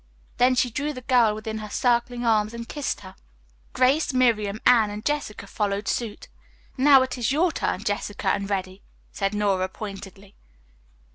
Then she drew the girl within her circling arm and kissed her. Grace, Miriam, Anne and Jessica followed suit. "Now it is your turn, Jessica and Reddy," said Nora pointedly.